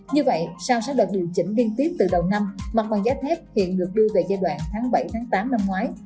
như vậy sau sáu đợt điều chỉnh liên tiếp từ đầu năm mặt bằng giá thép hiện được đưa về giai đoạn tháng bảy tám năm ngoái